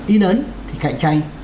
ý lớn thì cạnh tranh